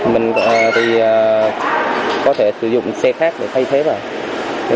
mình thì có thể sử dụng xe khác để thay thế rồi